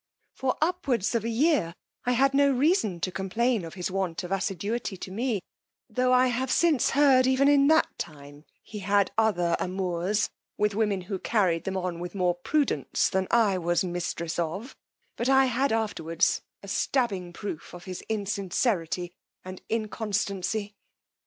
For upwards of a year I had no reason to complain of his want of assiduity to me, tho' I have since heard even in that time he had other amours with women who carried them on with more prudence than I was mistress of; but I had afterwards a stabbing proof of his insincerity and inconstancy.